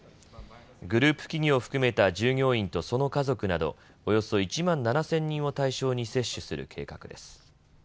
グループ企業を含めた従業員とその家族など、およそ１万７０００人を対象に接種する計画です。